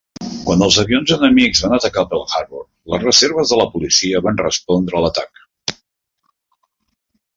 Quan els avions enemics van atacar Pearl Harbor, les reserves de la policia van respondre a l"atac.